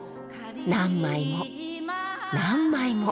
何枚も何枚も。